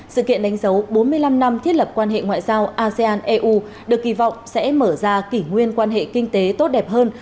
sự kiện đánh dấu bốn mươi năm năm thiết lập quan hệ ngoại giao asean eu được kỳ vọng sẽ mở ra kỷ nguyên quan hệ kinh tế tốt đẹp hơn